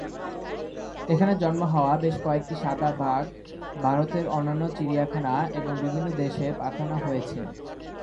এখানে জন্ম হওয়া বেশ কয়েকটি সাদা বাঘ ভারতের অন্যান্য চিড়িয়াখানা এবং বিভিন্ন দেশে পাঠানো হয়েছে।